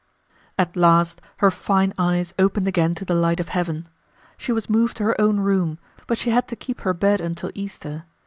At last her fine eyes opened again to the light of heaven; she was moved to her own room, but she had to keep her bed until Easter.